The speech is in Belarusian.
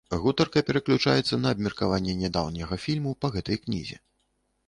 Гутарка пераключаецца на абмеркаванне нядаўняга фільму па гэтай кнізе.